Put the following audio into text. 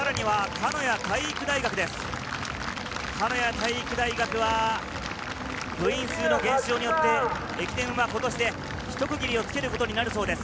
鹿屋体育大学は部員数の減少で駅伝は今年でひと区切りつけることになるそうです。